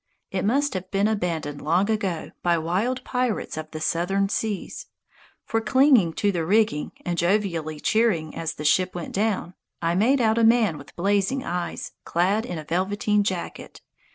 It must have been abandoned long ago by wild pirates of the southern seas; for clinging to the rigging, and jovially cheering as the ship went down, I made out a man with blazing eyes, clad in a velveteen jacket.